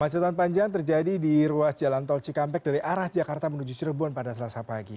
kemacetan panjang terjadi di ruas jalan tol cikampek dari arah jakarta menuju cirebon pada selasa pagi